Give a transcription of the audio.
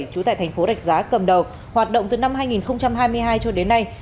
trú tại thành phố rạch giá cầm đầu hoạt động từ năm hai nghìn hai mươi hai cho đến nay